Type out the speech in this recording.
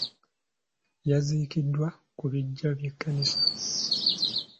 Yaziikoddwa ku biggya by'ekkanisa.